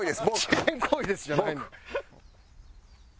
「遅延行為です」じゃないのよ。